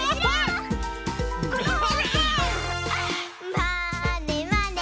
「まーねまね」